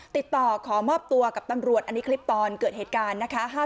ติดต่อขอมอบตัวกับตำรวจอันนี้คลิปตอนเกิดเหตุการณ์นะคะ